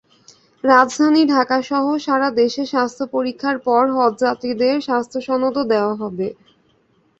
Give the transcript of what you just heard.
রাজধানী ঢাকাসহ সারা দেশে স্বাস্থ্য পরীক্ষার পর হজযাত্রীদের স্বাস্থ্যসনদও দেওয়া হবে।